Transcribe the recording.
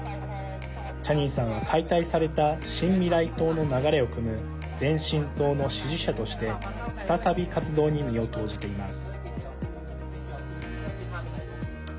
チャニンさんは解体された新未来党の流れをくむ前進党の支持者として再び活動に身を投じています。